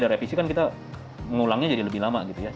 revisi kan kita mengulangnya jadi lebih lama gitu ya